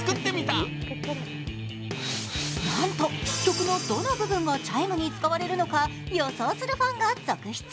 なんと曲のどの部分がチャイムに使われるのか予想するファンが続出。